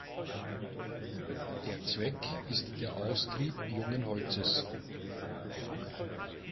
Der Zweck ist der Austrieb jungen Holzes.